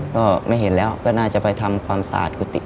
ก็ไม่เห็นแล้วก็น่าจะไปทำความสะอาดกุฏิ